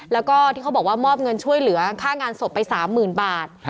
แล้วก็ที่เขาบอกว่ามอบเงินช่วยเหลือค่างานศพไป๓๐๐๐บาท